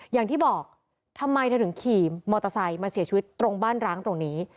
อย่างที่บอกทำไมเธอถึงขี่มอเตอร์ไซค์มาเสียชีวิตตรงบ้านร้างตรงนี้